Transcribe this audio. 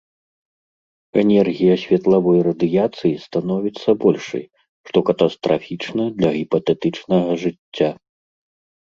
Энергія светлавой радыяцыі становіцца большай, што катастрафічна для гіпатэтычнага жыцця.